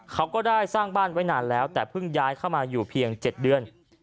เขาก็ได้สร้างบ้านไว้นานแล้วแต่เพิ่งย้ายเข้ามาอยู่เพียง๗เดือน